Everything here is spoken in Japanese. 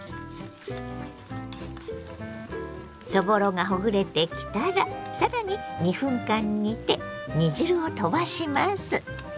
そぼろがほぐれてきたらさらに２分間煮て煮汁を飛ばします。